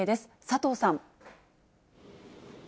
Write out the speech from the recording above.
佐藤さん。